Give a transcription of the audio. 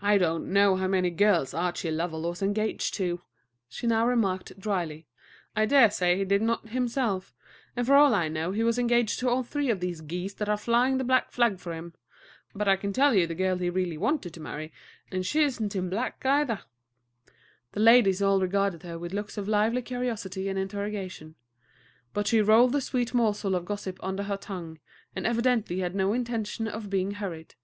"I don't know how many girls Archie Lovell was engaged to," she now remarked dryly. "I dare say he did n't himself; and for all I know, he was engaged to all three of those geese that are flying the black flag for him. But I can tell you the girl he really wanted to marry, and she is n't in black, either." The ladies all regarded her with looks of lively curiosity and interrogation; but she rolled the sweet morsel of gossip under her tongue, and evidently had no intention of being hurried.